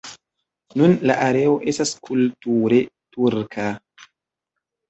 Nun la areo estas kulture turka.